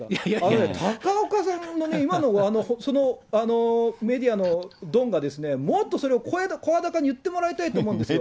あのね、高岡さんの今のそのメディアのドンがもっとそれを声高に言ってもらいたいと思うんですよ。